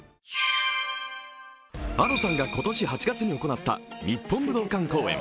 Ａｄｏさんが今年８月に行った日本武道館公演。